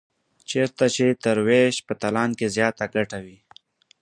چېرته چې تر وېش په تالان کې زیاته ګټه وي.